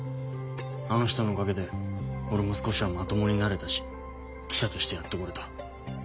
あの人のおかげで俺も少しはまともになれたし記者としてやってこれた。